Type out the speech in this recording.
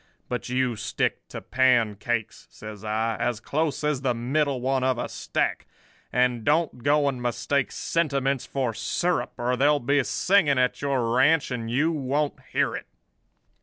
But you stick to pancakes,' says I, 'as close as the middle one of a stack; and don't go and mistake sentiments for syrup, or there'll be singing at your ranch, and you won't hear it.